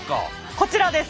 こちらです。